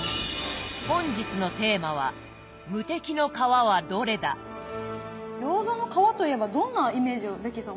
本日のテーマは餃子の皮といえばどんなイメージをベッキーさん